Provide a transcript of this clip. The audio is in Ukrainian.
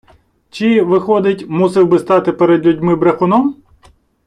Чи, виходить, мусив би стати перед людьми брехуном?